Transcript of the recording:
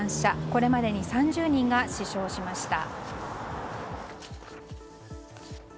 これまでに３０人が死傷しました。